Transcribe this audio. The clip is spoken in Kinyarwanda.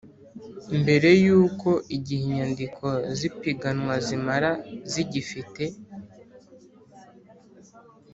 Mbere y uko igihe inyandiko z ipiganwa zimara zigifite